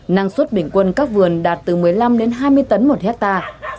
năng suất bình quân các vườn đạt từ một mươi năm đến hai mươi tấn một hectare